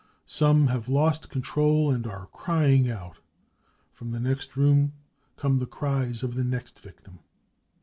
Some have lost control afid are crying out. From the next room come the cries of the next victim.